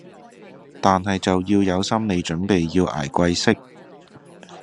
但係就要有心理準備要捱貴息